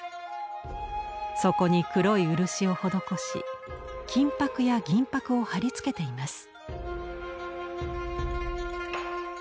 そこに黒い漆を施し金箔や銀箔を貼り付けています。